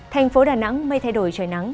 thành phố đà nẵng mây thay đổi trời nắng